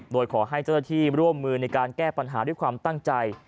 โดยขอให้เจ้าหน้าที่ร่วมมือในการแก้ปัญหาด้วยความตั้งใจ